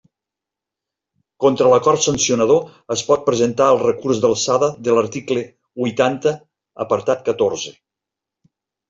Contra l'acord sancionador es pot presentar el recurs d'alçada de l'article huitanta apartat catorze.